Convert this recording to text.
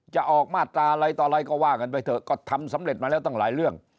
จะออกมาตราอะไรต่ออะไรก็ว่ากันไปเถอะก็ทำสำเร็จมาแล้วตั้งหลายเรื่อง